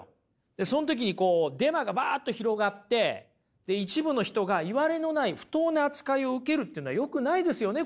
でその時にデマがばっと広がって一部の人がいわれのない不当な扱いを受けるというのはよくないですよね？